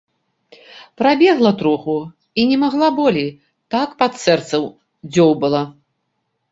Прабегла троху і не магла болей, так пад сэрцам дзёўбала.